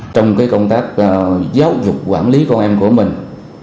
trong công tác giáo dục quản lý con em của mình